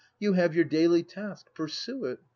You have your daily task; pursue it!